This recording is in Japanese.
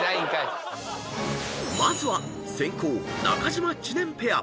［まずは先攻中島・知念ペア］